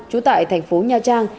chú tại thành phố nha trang